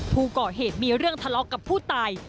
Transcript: ผู้ก่อเหตุมีเรื่องทะเลาะกับผู้ตาย